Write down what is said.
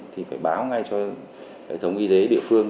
thì phải báo ngay cho hệ thống y tế địa phương